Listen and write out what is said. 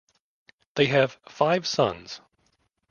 They have five sons.